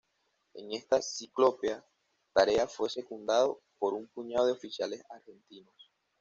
En esta ciclópea tarea fue secundado por un puñado de oficiales argentinos.